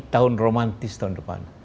tahun romantis tahun depan